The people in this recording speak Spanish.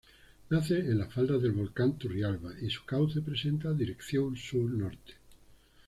Nace en las faldas del volcán Turrialba y su cauce presenta dirección sur-norte.